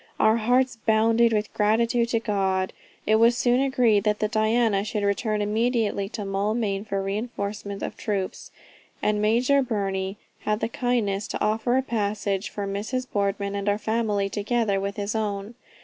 Our hearts bounded with gratitude to God. It was soon agreed that the Diana should return immediately to Maulmain for a reinforcement of troops, and Major Burney had the kindness to offer a passage for Mrs. Boardman and our family together with his own.